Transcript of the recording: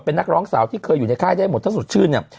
เป็นนักร้องสาวที่เคยอยู่ในค่ายได้หมดถ้าสดชื่นเนี่ย